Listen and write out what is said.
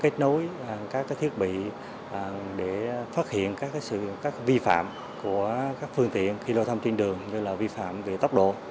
kết nối các thiết bị để phát hiện các vi phạm của các phương tiện khi lưu thông trên đường như là vi phạm về tốc độ